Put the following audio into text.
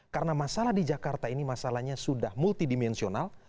karena masalah di jakarta ini masalahnya sudah multidimensional